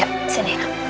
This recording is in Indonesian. yuk sini ya